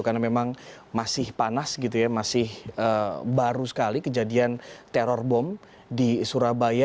karena memang masih panas gitu ya masih baru sekali kejadian teror bom di surabaya